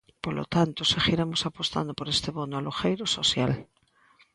Polo tanto, seguiremos apostando por este Bono Alugueiro Social.